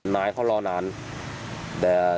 คือเขาอ้างว่า